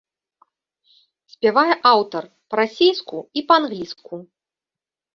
Спявае аўтар па-расейску і па-англійску.